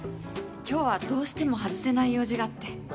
今日はどうしても外せない用事があって。